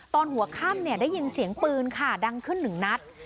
ตอนหัวข้ามได้ยินเสียงปืนค่ะดังขึ้น๑นัท